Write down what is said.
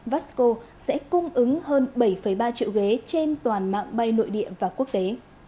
vasco sẽ cung ứng hơn bảy ba triệu ghế trên toàn mạng bay nội địa và quốc tế